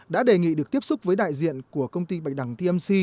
đã đề nghị được tiếp xúc với đại diện của công ty bạch đằng tmc